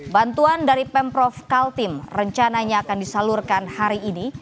bantuan dari pemprov kaltim rencananya akan disalurkan hari ini